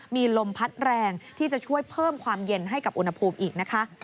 มีลมพัดแรงที่จะช่วยเพิ่มความเย็นให้กับอุณหภูมิอีกนะคะ